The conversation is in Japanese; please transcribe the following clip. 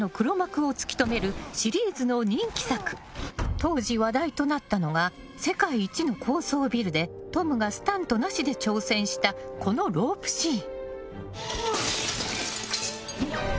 当時、話題となったのが世界一の高層ビルでトムがスタントなしで挑戦したこのロープシーン。